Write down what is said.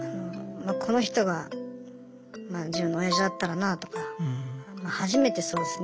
この人がまあ自分のおやじだったらなあとか初めてそうですね